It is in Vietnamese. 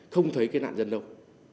không thấy cái nạn nhân đâu